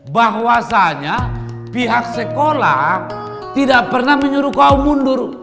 bahwasanya pihak sekolah tidak pernah menyuruh kau mundur